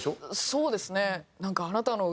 そうですね。